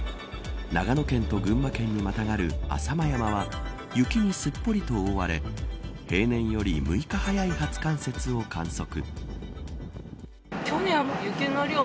長野県と群馬県にまたがる浅間山は雪に、すっぽりと覆われ平年より６日早い初冠雪を観測。